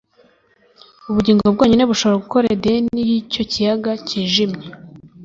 Ubugingo bwonyine bushobora gukora Edeni yicyo kiyaga cyijimye